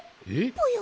ぽよ？